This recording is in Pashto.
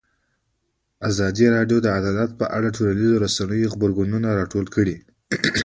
ازادي راډیو د عدالت په اړه د ټولنیزو رسنیو غبرګونونه راټول کړي.